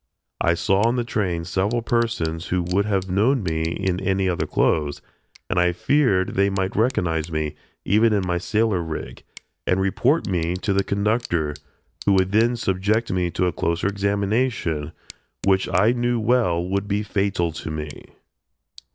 I saw on the train several persons who would have known me in any other clothes, and I feared they might recognize me, even in my sailor "rig," and report me to the conductor, who would then subject me to a closer examination, which I knew well would be fatal to me.